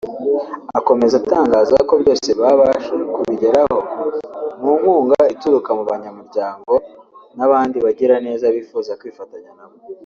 Akomeza atangaza ko byose babasha kubigeraho mu nkunga ituruka mu banyamuryango n’abandi bagiraneza bifuza kwifatanya na bo